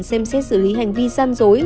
xem xét xử lý hành vi gian dối